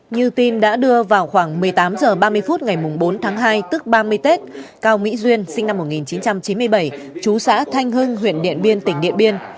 như tin đã đưa vào khoảng một mươi tám h ba mươi phút ngày bốn tháng hai tức ba mươi tết cao mỹ duyên sinh năm một nghìn chín trăm chín mươi bảy chú xã thanh hưng huyện điện biên tỉnh điện biên